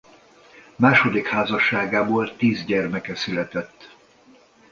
Második házasságából tíz gyermeke született.